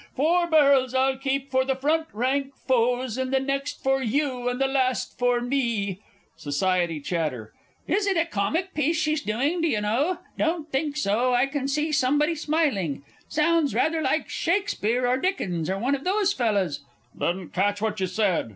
"Four barrels I'll keep for the front rank foes and the next for you and the last for me!" SOC. CHAT. Is it a comic piece she's doing, do you know? Don't think so, I can see somebody smiling. Sounds rather like Shakespeare, or Dickens, or one of those fellahs.... Didn't catch what you said.